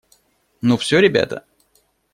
Ну все, ребята?